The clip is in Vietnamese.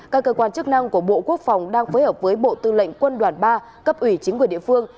các cơ quan chức năng của bộ quốc phòng đang phối hợp với bộ tư lệnh quân đoàn ba cấp ủy chính quyền địa phương